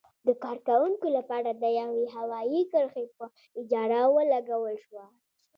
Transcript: د کارکوونکو لپاره د یوې هوايي کرښې په اجاره ولګول شوه.